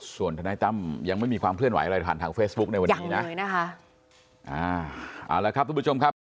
ส่วนทนายตั้มยังไม่มีความเคลื่อนไหวอะไรผ่านทางเฟซบุ๊คในวันนี้นะเอาละครับทุกผู้ชมครับ